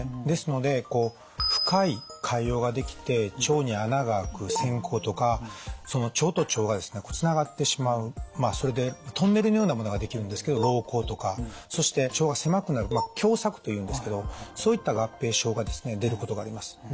ですのでこう深い潰瘍ができて腸に穴があく穿孔とかその腸と腸がですねつながってしまうそれでトンネルのようなものができるんですけど瘻孔とかそして腸が狭くなる狭窄というんですけどそういった合併症がですね出ることがあります。